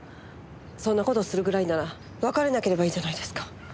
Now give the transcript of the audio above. そんな事するぐらいなら別れなければいいじゃないですか。